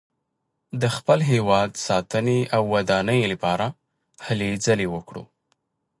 د خپل هېواد ساتنې او ودانۍ لپاره هلې ځلې وکړو.